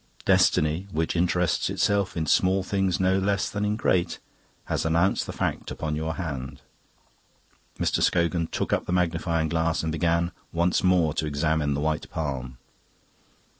"Destiny, which interests itself in small things no less than in great, has announced the fact upon your hand." Mr. Scogan took up the magnifying glass and began once more to examine the white palm.